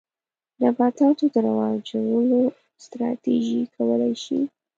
نباتاتو د رواجولو ستراتیژۍ کولای شي.